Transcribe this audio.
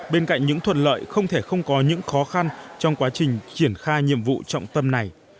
bên cạnh những thuận lợi không thể không có những khó khăn trong quá trình triển khai nhiệm vụ trọng tâm này